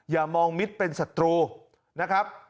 อย่ามองมิตรเป็นศัตรูนะครับ